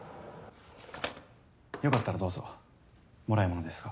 良かったらどうぞもらいものですが。